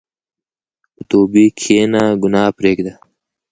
په توبې کښېنه، ګناه پرېږده.